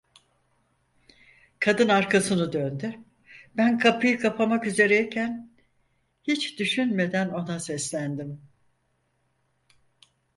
Kadın arkasını döndü, ben kapıyı kapamak üzere iken, hiç düşünmeden ona seslendim.